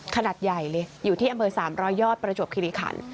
ขนาดใหญ่เลยอยู่ที่อำเภอ๓๐๐ยอดประจวบคิริขัน